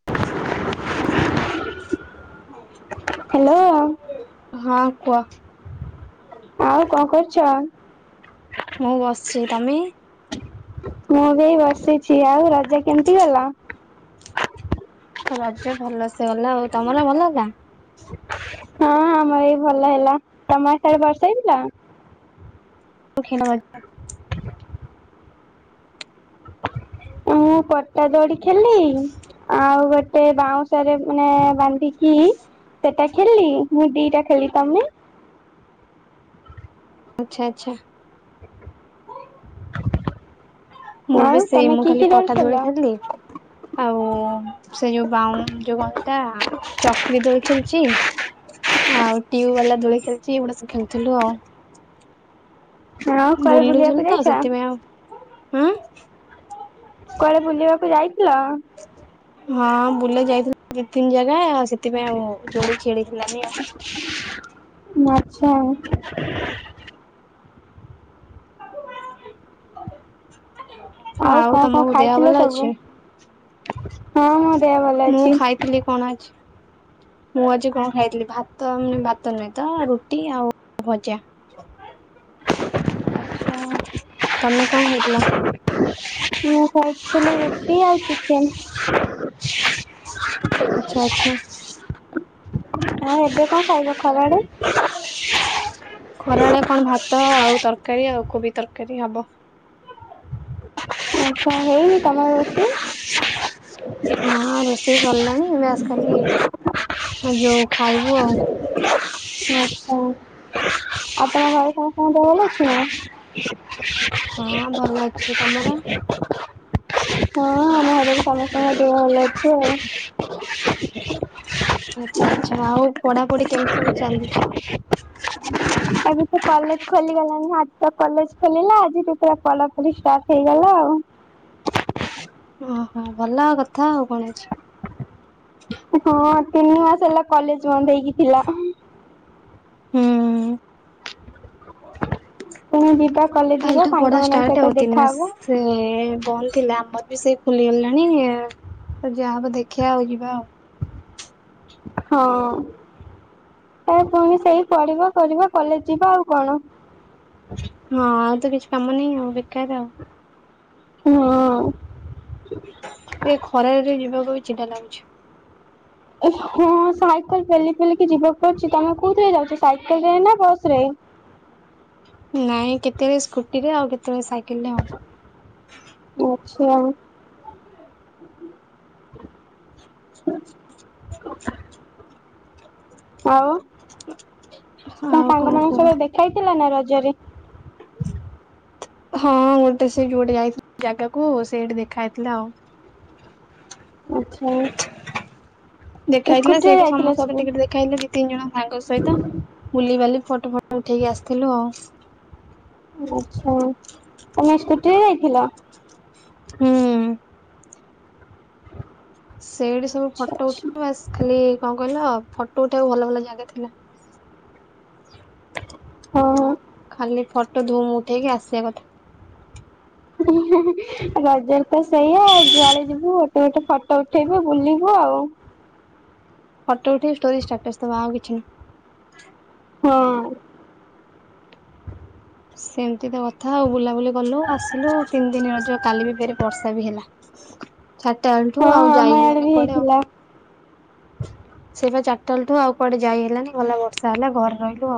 [inaudible] Hello. ହଁ କୁହ। ଆଉ କଣ କରୁଛ? ମୁଁ ବସିଛି ତମେ? ମୁଁ ବି ଏଇ ବସିଛି। ଆଉ ରଜ କେମିତି ଗଲା? ରଜ ଭଲସେ ଗଲା ଆଉ ତମର ଭଲ ଗଲା ହଁ ଆମର ଏଇ ଭଲ ହେଲା ତମ ସାଡ଼େ ବର୍ଷା ହେଇଥିଲା? ଖୀଣ ମୁଁ ପଟା ଦଡି ଖେଲି। ଆଉ ଗୋଟେ ବାଉଁଶରେ ମାନେ ବାନ୍ଧିକି ସେଟା ଖେଳିଲି ମୁଁ ଦିଟା ଖେଲି ତମେ? ଆଚ୍ଛା ଆଚ୍ଛା। ମୁଁ ଆଉ ବି ସେଇ ତମେ ମୁଁ କି ଖାଲି କି ପଟା ଦୋଳି ଖେଳିଲ? ଖାଲି ଆଉ ସେ ଯୋଉ ବାଉ ଯୋଉ କଣ ସେଟା ଚକରି ଦୋଳି ଖେଳିଛି। ଆଉ ଟ୍ୟୁବ ବାଲା ଦୋଳି ଖେଳଛି ଏଗୁଡା ସବୁ ଖେଳଥିଲୁ ଆଉ। ଆଉ କୁଆଡେ ବୁଲିଲୁ ବୁଲିବାକୁ ତ ଯାଇଛ ସେଥିପାଇଁ ଆଉ ହଁ କୁଆଡେ ବୁଲିବାକୁ ଯାଇଥିଲ? ହଁ ବୁଲେ ଯାଇଥିଲୁ ଦି ତିନି ଜାଗା ଆଉ ସେଥିପାଇଁ ଆଉ ଦୋଳି ଖେଳିଥିଲାନି ଆଉ। ମଜା ଆଉ। ଆଚ୍ଛା। ଆଉ କଣ କଣ ତମକୁ ଦେହ ଖାଇଥିଲ ଭଲ ସବୁ? ଅଛି ହଁ ମୋ ଦେହ ଭଲ ମୁଁ ଅଛି। ଖାଇଥିଲି କଣ ଅଛି ମୁଁ ଆଜି କଣ ଖାଇଥିଲି ଭାତ ମାନେ ଭାତ ନୁହେଁ ତ ରୁଟି ଆଉ ଭଜା ତମେ କଣ ଖାଇଥିଲ ମୁଁ ଖାଇଥିଲି ରୁଟି ଆଉ ଚିକେନ। ଆଚ୍ଛା ଆଚ୍ଛା। [inaudible] ଆଉ ଏବେ କଣ ଖାଇବ ଖରାଳେ ତ ଆଉ ତରକାରୀ ଆଉ କୋବି ତରକାରୀ ହବ ଆସ ହେଇନି ତମର ରୋଷେଇ ହଁ ରୋଷେଇ ସରିଲାଣି ଏବେ ଆସ ଖାଲି ଆଉ ଯୋଉ ଖାଇବୁ ଆଉ। ଆଚ୍ଛା ଆପଣ ଘରେ ସମସ୍ତ ଦେହ ଭଲ ଅଛି ନାଁ। ହଁ ଭଲ ଅଛି ତମର? [unintelligible] ହଁ ଆମ ଘରେ ବି ସମସ୍ତଙ୍କ ଦେହ ଭଲ ଅଛି ଆଉ। ଆଚ୍ଛା, ଆଚ୍ଛା ଆଉ ପଢାପଢି କେମିତି ସବୁ ଚାଲିଛି। ଆଜି ସେ କଲେଜ ଖୋଲିଗଲାଣି ଆଜି ତ କଲେଜ ଖୋଲିଲା ଆଜି ତ ପଢା ପଢ଼ି ଷ୍ଟାର୍ଟ ହେଇଗଲା ଆଉ। ଓହୋ ଭଲ କଥା ଆଉ କ'ଣ ଅଛି। ହଁ ତିନି ମାସେ ହେଲା କଲେଜ ବନ୍ଦ ହେଇକି ଥିଲା। ହୁଁ। ପୁଣି ଯିବା କଲେଜ। ଯିବା କାଲିଠୁ ପଢା ସାଙ୍ଗମାନଙ୍କ ଷ୍ଟାର୍ଟ ସହିତ ଆଉ ତିନି ଦେଖାହବ ମାସେ। ସେ ବନ୍ଦ ଥିଲା ଆମର ବି ସେଇ ଖୁଲିଗଲାଣି ଏ। ତ ଯାହା ହବ ଦେଖିଆ ଆଉ ଯିବା ଆଉ। ହଁ ପୁଣି ସେଇ ପଢିବ କରିବ କଲେଜ ଯିବ ଆଉ କ'ଣ। ହଁ ଆଉ ତ କିଛି କାମ ନାହିଁ ଆଉ ବେକାର ଆଉ। ହଁ। ଏ ଖରାରେ ଯିବାକୁ ବି ଚିନ୍ତା ଲାଗୁଛି। ଏ ହଁ ସାଇକଲ ଫେଲି ଫେଲିକି ଯିବାକୁ ପଡୁଛି ତମେ କୋଉଥିରେ ଯାଉଛ ସାଇକେଲ ରେ ନା ବସ ରେ। ନାଇଁ କେତେବେଳେ ସ୍କୁଟିରେ ଆଉ କେତେବେଳେ ସାଇକେଲ ରେ ଆଉ। ଆଚ୍ଛା। [unintelligible] ଆଉ କ'ଣ ଆଉ ସାଙ୍ଗମାନଙ୍କ କୁହ? ସହିତ ଦେଖାହେଇଥିଲା ନା ରଜରେ। ହଁ ଗୋଟେ ସେ ଯୋଉଟି ଯାଇଥିଲ ଜାଗାକୁ ସେଇଠି ଦେଖା ହେଇଥିଲା ଆଉ। ଆଚ୍ଛା। ଦେଖା ଏ ହେଇଥିଲା ସ୍କୁଟିରେ ସେଇଠି ଯାଇଥିଲେ ସମସ୍ତଙ୍କ ସବୁ ଟିକେ ଦେଖା ହେେଇଥିଲା ଦି, ତିନି ଜଣ ସାଙ୍ଗ ସହିତ। ବୁଲିିବାଲି ଫଟୋ ଫଟ ଉଠେଇକି ଆସିଥିଲୁ ଆଉ। ଆଚ୍ଛା ତମେ ସ୍କୁଟିରେ ଯାଇଥିଲ। ହୁଁ। ସେଇଠି ସବୁ ଆଚ୍ଛା ଫଟୋ ଆଚ୍ଛା ଉଠେଇ ବାସ ଖାଲି କ'ଣ କହିଲ ଫଟୋ ଉଠେଇବାକୁ ଭଲ, ଭଲ ଜାଗା ଥିଲା। ହଁ, ହଁ। ଖାଲି ଫଟୋ ଧୁମ୍ ଉଠେଇକି ଆସିବା କଥା। ରଜରେ ତ ସେଇଆ ଯୁଆଡେ ଯିବୁ। ତ ଗୋଟେ ଫଟୋ ଉଠେଇବ ବୁଲିବ ଆଉ। ଫଟ ଉଠେଇକି ଷ୍ଟୋରି ଷ୍ଟାଟସ୍ ଦବା ଆଉ କିଛି ନୁ। ହଁ। ସେମିତି ତ କଥା ଆଉ ବୁଲାବୁଲି କଲୁ ଆସିଲୁ ତିନି ଦିନି ଅ ଯ କାଲି ବି ଫେରେ ବର୍ଷା ବି ହେଲା। ଚାରି ଟା ହଁ ବେଳୁଠୁ ଆଉ ଆମ ଯାଇ ଇଆଡେ ହେଲାନି ବି କୁଆଡେ ହେଇଥିଲା। ଆଉ। ସେ ଚାରିଟା ବେଳୁଠୁ ଆଉ କୁଆଡେ ଯାଇ ହେଲାନି ଗଲା ବର୍ଷା ହେଲା ଘରେ ରହିଲୁ।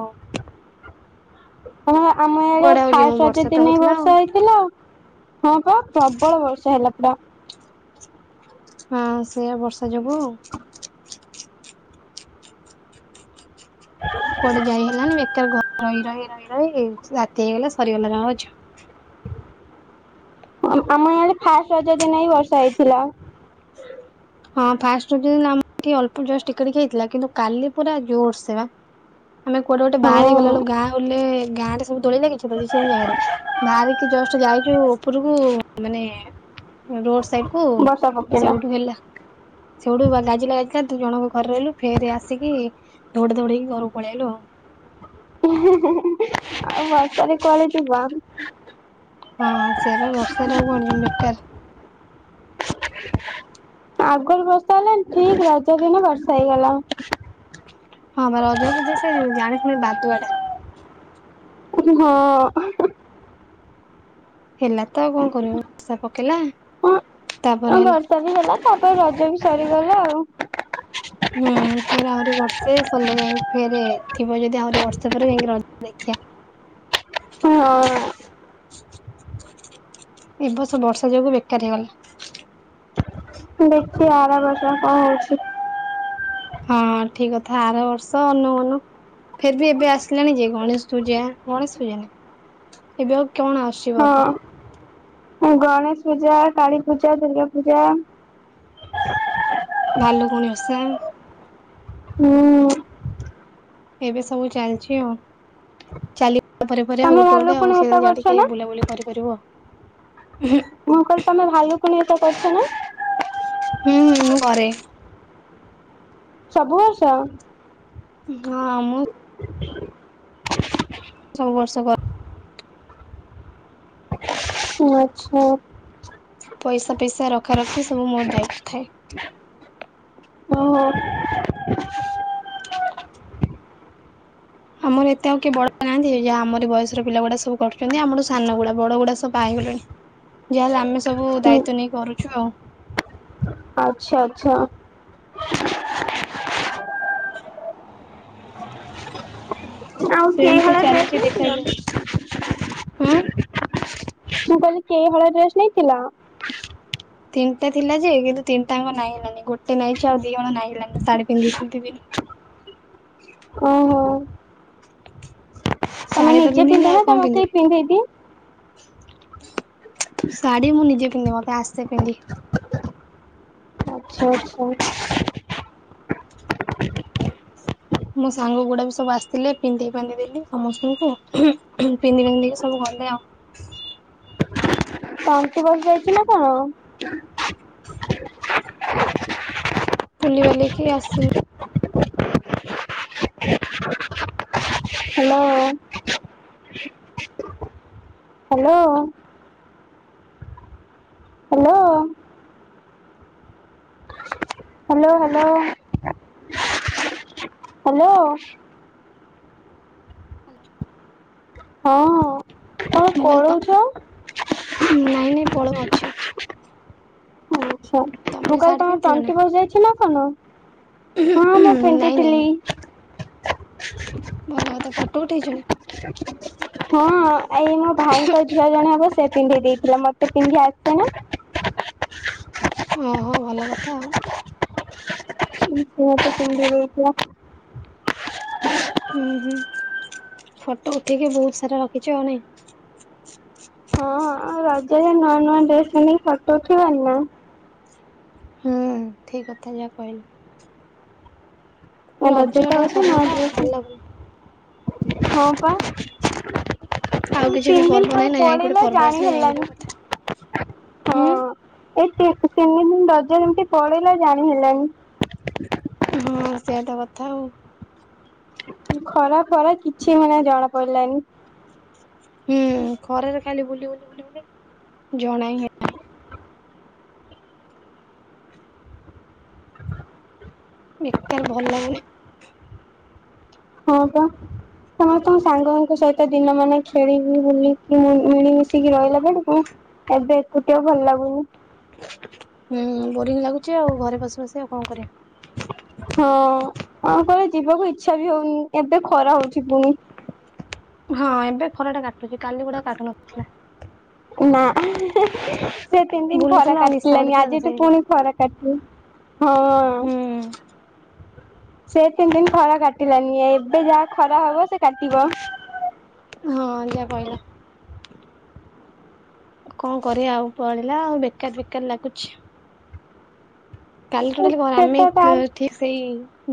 ହଁ ଆମ ଆଡେ କୁଆଡେ ଆଉ ଯିବୁ ଫାଷ୍ଟେ ରଜ ବର୍ଷା ତ ତିନି ହଉଥିଲା ଆଉ ବର୍ଷ ହେଇଥିଲା ଆ। ହଁ ପା ପ୍ରବଳ ବର୍ଷା ହେଲା ପୁରା। ହଁ ସେୟା ବର୍ଷା ଯୋଗୁଁ। [unintelligible] କୁଆଡେ ଯାଇ ହେଲାନି ବେକାର ଘରେ ରହି, ରହି, ରହି, ରହି ରାତି ହେଇଗଲା ସରିଗଲା ରଜ। ଆମ ଇଆଡ଼େ ଫାଷ୍ଟେ ରଜ ଦିନ ହିଁ ବର୍ଷା ହେଇଥିଲା। [unintelligible] ହଁ ଫାଷ୍ଟେ ରଜ ଦିନ ଆମର ଅଳ୍ପ ଜଷ୍ଟ ଟିକିଏ, ଟିକିଏ ହେଇଥିଲା କିନ୍ତୁ କାଲି ପୁରା ଜୋରସେ ବା। ଆମେ କୁଆଡେ ଗୋଟେ ହଁ ବାହାରି ଗଲାବେଳେ ଗାଓଲେ ଗାଁ ରେ ସବୁ ଦୋଳିିଲାଗେ। [unintelligible] ଜାଗାରେ ବାହାରିକି ଜଷ୍ଟ ଯାଇଛୁ ଉପରକୁ ମାନେ ରୋଡ ସାଇଡି କୁ ବର୍ଷାପ ସେଇଠୁ ହେଲା ସେଉଠୁ ଗାଜିଲା ଗାଜିଲା ଜଣଙ୍କ ଘରେ ରହିଲୁ ଫେରେ ଆସିକି ଦୋଡ଼ା ଦୋଡି ହେଇକି ଘରକୁ ପଳେଇଆଇଲୁ। ହୁ, ହୁ ଆଉ ବର୍ଷାରେ କୁଆଡେ ଯିବା। ହଁ ସେୟାବା ବର୍ଷାରେ ଆଉ କୁଆଡେ ଯିବୁ ବେକାର। ଆଗରୁ ବର୍ଷା ହେଲାନି ଠିକ୍ ରଜ ଦିନ ବର୍ଷା ହେଇଗଲା। ହଁ ବା ରଜ ଯେ ସେ ଜାଣି ଶୁଣି ବାଦୁଆ ଟା। ହଁ। ହେଲା ତ ଆଉ କଣ କରିବା ବର୍ଷା ପକେଇଲା ତାପରେ ହେଲା। ସରିଗଲା ତାପରେ ରଜ ବି ସରିଗଲା ଆଉ। ହୁଁ ଫେରେ ଆହୁରି ବର୍ଷେ ସରିଲେ ଯାଇକି ଫେରେ ଥିବ ଯଦି ଆହୁରି ବର୍ଷେ ପରେ ଯାଇକି ରଜ ଦେଖିବା। ହଁ। ଏ ବର୍ଷ ବର୍ଷା ଯୋଗୁ ବେକାର ହେଇଗଲା। ଦେଖିଆ ବା ଆର ବର୍ଷ କଣ ହଉଛି। ହଁ ଠିକ୍ କଥା ଆର ବର୍ଷ ଅନଉ ଅନଉ। ଫେରେ ବି ଏବେ ଆସିଲାଣି ଯେ ଗଣେଶ ପୂଜା ଗଣେଶ ପୂଜା ନା ଏବେ ଆଉ କଣ ଆସୁଛି? ପର୍ବ ହଁ ଗଣେଶ ପୂଜା, କାଳୀ ପୂଜା, ଦୁର୍ଗା ପୂଜା ଭାଲୁକୁଣି ଓଷା। ହୁଁ। ଏବେ ସବୁ ଚାଲିଛି ଆଉ ଚାଲି ପରେପରେ ଆଉ। ତମେ ଟେ [unintelligible] ଆଉ ଭାଲୁକୁଣି ସିଏ ଓଷା ଯା କରୁଛ ଟିକେ ନା? ବୁଲାବୁଲି କରିପାରିବ ଆଉ। ହୁ, ମୁ କହିଲି ତମେ ଭାଲୁକୁଣୀ ଓଷା କରିଛ ନା। ହୁଁ -ହୁଁ ମୁଁ କରେ। ସବୁ ବର୍ଷ। ହଁ, ମୁଁ ସବୁ ବର୍ଷ କର। ଓ ଆଚ୍ଛା। ପଇସା, ପଇସା ରଖା ରଖି ସବୁ ମୋର ଦାୟିତ୍ୟ ଥାଏ। ଓ ହୋ। ଆମର ଏତେ ଆଉ କିଏ ବଡ ନାହାନ୍ତି ଯାହା ଆମର ବୟସର ପିଲା ଗୁଡା ସବୁ କରୁଛନ୍ତି। ଆମର ସାନ ଗୁଡା ବଡ ଗୁଡା ସବୁ ବାହା ହୋଇଗଲେଣି। ଯାହାହେଲେ ଆମେ ସବୁ ହୁଁ ଦାୟିତ୍ୱ ନେଇ କରୁଛୁ ଆଉ। ଆଚ୍ଛା, ଆଚ୍ଛା। ଆଉ କେହି ସେମିତି ହଳ ଡ୍ରେସ ଚାଲିଛି ଦେଖାଯାଉ କିଣିଥିଲ? ହୁଁ ମୁଁ କହିଲି କେହି ହଳ ଡ୍ରେସ ନେଇଥିଲ? ତିନିଟା ଥିଲା ଯେ କିନ୍ତୁ ତିନିଟାଙ୍କ ନାଇ ହେଲାନି ଗୋଟେ ନାଇଁଛି ଆଉ ଦି ହଳ ନାଇଁ ହେଲାନି ତ ଶାଢୀ ପିନ୍ଧଦେଇଥିଲି। ଓ ହୋ। ଶାଢୀ ତ ନିଜେ ପିନ୍ଧିଲି ପିନ୍ଧ ଆଉ ନା କଣ ତମକୁ କେହି ପିନ୍ଧିବି? ପିନ୍ଧେଇ ଦିଏ? ଶାଢୀ ମୁଁ ନିଜେ ପିନ୍ଧେ ମତେ ଆସେ ପିନ୍ଧି। ଆଚ୍ଛା, ଆଚ୍ଛା। ମୋ ସାଙ୍ଗ ଗୁଡା କ ସବୁ ଆସିଥିଲେ ପିନ୍ଧାଇ ଫାନ୍ଧି ଦେଲି ସମସ୍ତଙ୍କୁ ପିନ୍ଧି ଫାନ୍ଧିକି ସବୁ ଗଲେ ଆଉ। ତଣ୍ଟି ବସି ଯାଇଛି ନା କଣ? ବୁଲି ବାଲିକି ଆସିଲି। Hello. Hello. Hello. Hello hello. Hello. Hello. ହଁ କଣ ମୁଁ କହିଲି ତ ପଳଉଛ। ନାଇଁ ନାଇଁ ପଳଉନି ଅଛି ଅଛି। ଆଚ୍ଛା ମୁଁ ତମେ କହିଲି ଶାଢୀ ତମ ପିନ୍ଧିଥିଲ ନା? ତଣ୍ଟି ବସି ଯାଇଚିନା କଣ ହଁ ମୁଁ ସେଇଠି ନାଇଁ ନାଇଁ ଥିଲି। ଭଲ କଥା ଫଟୋ ଉଠେଇଚୁନା? [inaudible] ହଁ ଏଇ ମୋ ଭାଇଙ୍କ ଝିଅ ଜଣେ ହବ ସିଏ ପିନ୍ଧେଇ ଦେଇଥିଲା ମତେ ପିନ୍ଧି ଆସେନି ଓହୋ ଭଲ କଥା ଆଉ। ସିଏ ମତେ ପିନ୍ଦେଇଦେଇଥିଲା। ହୁଁ ହୁଁ ଫଟୋ ଉଠେଇକି ବହୁତ୍ ସାରା ରଖିଚୁ ଆଉ ନାଇଁ? ଆଉ ରଜରେ ନୂଆ ନୂଆ ଡ୍ରେସ୍ ପିନ୍ଧିକି ଫଟୋ ଉଠେଇବାନିନା। ହୁଁ ଠିକ୍ କଥା ଯାହା କହିଲୁ। ରଜତ ରଜ ଟା ଆଉଚି ନୂଆ ସରିଗଲା ଆଉ ଭଲ ଡ୍ରେସ୍ ଲାଗୁନି ହଁପା। ଆଉ ତିନି କିଛି ବି ଦିନି ପର୍ବ କୁଆଡ଼େ ନାହିଁ ନା ଯାଇକି ଗୋଟେ ପଳେଇଲା ପର୍ବ ଜାଣି ଆସିଲେ ଯାଇକି ଯୋଉ ହେଲାନି କଥା। ଉଁ ହଁ। ଏଇ ତିନ ତିନି ଦିନି ରଜ ଏମିତି ପଳେଇଲା ଜାଣି ହେଲାନି। ହଁ ସେଇଆତ କଥା ଆଉ। ଖରା ଫରା କିଛି ମାନେ ଜଣା ପଡ଼ିଲାନି। ହୁଁ ଖରାରେ ଖାଲି ବୁଲି ବୁଲି ବୁଲି ବୁଲି ଜଣାଇ ବେକାର୍ ଭଲ ଲାଗୁନି। ହଁ ପା ତମେ ତମ ସାଙ୍ଗଙ୍କ ସହି ଦିନ ମାନେ ଖେଳିବି ବୁଲିକି ମିଳିମିଶିକି ରହିଲା ବେଳକୁ ଏବେ ଏକୁଟିଆ ଭଲ ଲାଗୁନି। ହୁଁ ବୋରିଙ୍ଗ ଲାଗୁଚି ଆଉ ଘରେ ବସି ବସିକା ଆଉ କଣ କରିବା। ହଁ ଆଉ କୁଆଡ଼େ ଯିବାକୁ ଇଚ୍ଛାବି ହଉନି ଏବେ ଖରା ହଉଚି ପୁଣି। ହଁ ଏବେ ଖରାଟା କାଟୁଚି କାଲି ଗୁଡ଼ା କାଟୁ ନଥିଲା। ନା ସେ ତିନି ଦିନି ଖରା ବୁଲୁଥିଲା ଆଉ ନିଶା କାଟିଲାନି ବଢିଥିଲା ତ ଆଜିଠୁ ସେଇ ଯୋଉ ପୁଣି ଖରା କାଟୁଚି ହଁ। ହୁଁ ସେ ତିନି ଦିନି ଖରା କାଟିଲାନି ଏବେ ଯାହା ଖରା ହବ ସେକାଟିବ। ହଁ ଯାହା କହିଲ। କଣ କରିବା ଆଉ ପଳେଇଲା ଆଉ ବେକାର ବେକାର ଲାଗୁଛି। କାଲି ଟୋଟାଲି କଣ ସେ ଆମେ ତ ତାର ଠିକ୍ ସେଇ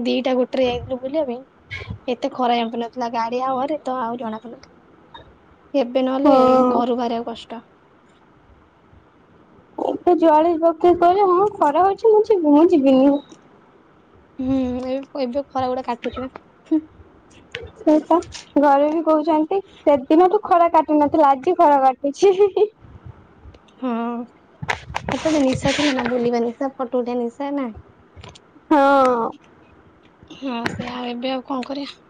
ଦିଟା ଗୋଟେରେ ଯାଇଥିଲୁ ବୁଲିବା ପାଇଁ ଏତେ ଖରା ଜଣାପଡ଼ୁନଥିଲା ଗାଡ଼ି ହାୱାରେ ଏତେ ଆଉ ଜଣା ପଡ଼ୁନଥିଲା। ଏବେ ନହେଲେ ହଁ। ଘରୁ ବାହାରିବା କଷ୍ଟ। ଏବେ ଯୁଆଡ଼େ ଯିବାକୁ କିଏ କହିଲେ ଖରା ହୋଉଚି ମୁଁ ଯିବିନି ମୁଁ ଯିବିନି। ହୁଁ ଏ ଏବେ ଖରା ଗୁଡ଼ା କାଟୁଚିବା। ସେଇପା। ଘରେବି କହୁଚନ୍ତି ସେଦିନଠୁ ଖରା କାଟୁ ନଥିଲା ଆଜି ଖରା କାଟୁଚି। ହଁ ସେଟା ଗୋଟେ ନିଶା ଥିଲାନା ବୁଲିବା ନିଶା ଫୋଟୋ ଉଠେଇବା ନିଶା ନା। ହଁ। ହଁ ସେଇଆ ଆଉ ଏବେ ଆଉ ଙ୍କ କରିବା?